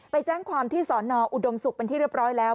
ไปแจ้งความที่สอนออุดมศุกร์เป็นที่เรียบร้อยแล้ว